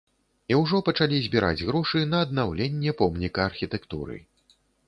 І ўжо пачалі збіраць грошы на аднаўленне помніка архітэктуры.